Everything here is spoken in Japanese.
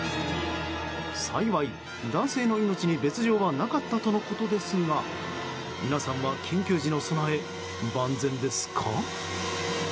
幸い、男性の命に別条はなかったとのことですが皆さんは緊急時の備え、万全ですか？